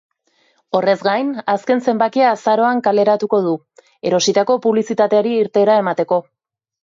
Horrez gain, azken zenbakia azaroan kaleratuko du, erositako publizitateari irteera emateko.